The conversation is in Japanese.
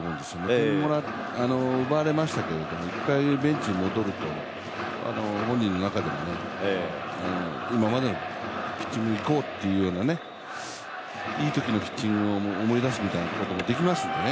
点は奪われましたけど一回ベンチに戻りますと本人の中でも今までのピッチングでいこうっていういいときのピッチングを思い出すみたいなこともできますんでね。